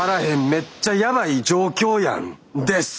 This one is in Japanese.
めっちゃヤバい状況やんです！